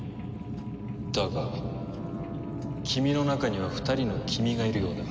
だが君の中には２人の君がいるようだ。